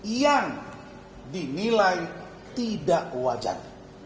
yang dinilai tidak wajar